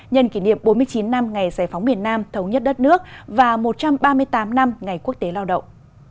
nhân kỷ niệm bốn mươi chín năm ngày giải phóng miền nam thống nhất đất nước và một trăm ba mươi tám năm ngày quốc tế lao động